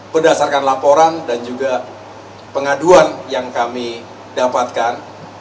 berdasarkan laporan dan juga pengaduan yang kami dapatkan